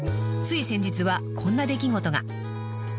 ［つい先日はこんな出来事が］